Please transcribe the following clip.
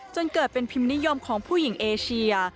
จนเกิดเป็นพิมพ์นิยมของผู้หญิงเอเชีย